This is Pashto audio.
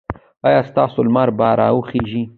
ایا ستاسو لمر به راخېژي؟